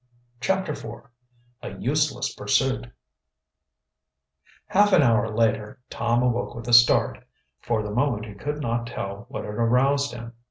CHAPTER IV A USELESS PURSUIT Half an hour later Tom awoke with a start. For the moment he could not tell what had aroused him.